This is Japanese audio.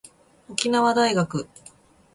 沖縄大学